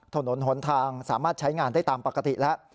ถนนหนทางสามารถใช้งานได้ตามปกติแล้ว